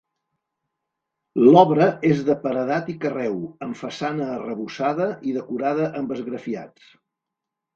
L'obra és de paredat i carreu, amb façana arrebossada i decorada amb esgrafiats.